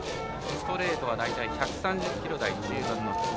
ストレートは大体１３０キロ台中盤の辻。